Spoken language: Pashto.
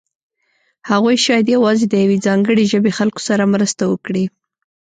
هغوی شاید یوازې د یوې ځانګړې ژبې خلکو سره مرسته وکړي.